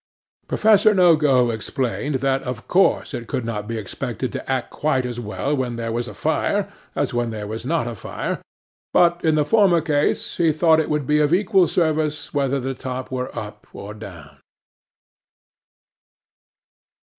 'PROFESSOR NOGO explained that of course it could not be expected to act quite as well when there was a fire, as when there was not a fire; but in the former case he thought it would be of equal service whether the top were up or down.